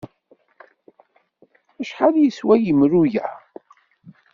Acḥal yeswa yemru-a?